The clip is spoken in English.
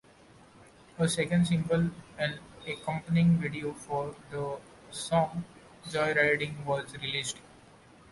A second single and accompanying video for the song "Joyriding" was released.